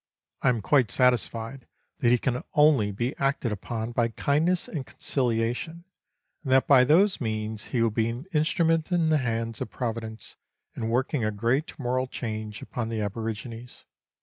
I am quite satisfied that he can only be acted upon by kindness and conciliation, and that by those means he will be an instrument in the hands of Providence in working a great moral change upon the aborigines.